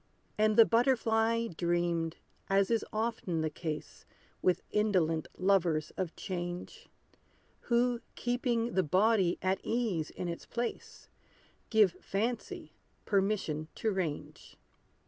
And the butterfly dreamed, as is often the case With indolent lovers of change, Who, keeping the body at ease in its place, Give fancy permission to range.